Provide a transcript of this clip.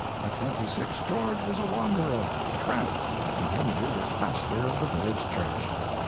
At twenty six George was a wanderer, a tramp, and Henry was pastor of the village church.